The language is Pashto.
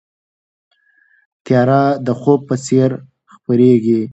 تیاره د خوب په څېر خپرېږي.